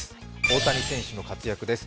大谷選手の活躍です。